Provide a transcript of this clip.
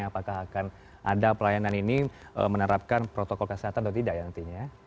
apakah akan ada pelayanan ini menerapkan protokol kesehatan atau tidak ya nantinya